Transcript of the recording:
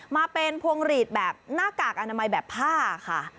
มาเป็นพวงหลีดแบบหน้ากากอนามัยแบบผ้าค่ะ